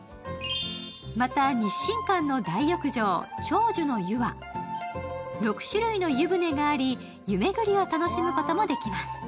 また、日進館の大浴場、長寿の湯は、６種類の湯船があり、湯巡りを楽しむこともできます。